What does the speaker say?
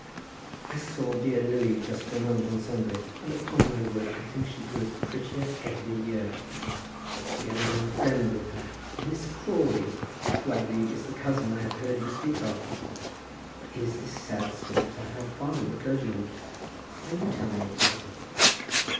I saw dear Lily just for a moment on Sunday, and upon my word I think she grows prettier every year. She had a young friend with her, a Miss Crawley, who, I believe, is the cousin I have heard you speak of. What is this sad story about her father, the clergyman? Mind you tell me all about it.